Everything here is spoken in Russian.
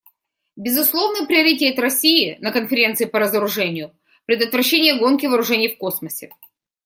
Безусловный приоритет России на Конференции по разоружению − предотвращение гонки вооружений в космосе.